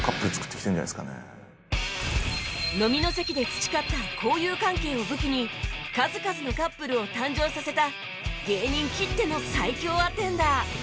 飲みの席で培った交友関係を武器に数々のカップルを誕生させた芸人きっての最強アテンダー